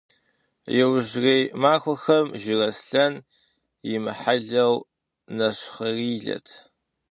Иужьрей махуэхэм Жыраслъэн имыхьэлу нэщхъейрилэт.